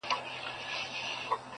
نۀ غـــواړي د زړۀ عــلاج مې نۀ غواړي